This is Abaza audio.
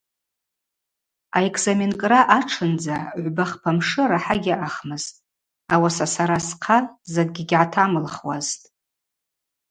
Аэкзаменкӏра атшындза гӏвба-хпа мшы рахӏа гьаъахмызтӏ, ауаса сара схъа закӏгьи гьгӏатамылхуазтӏ.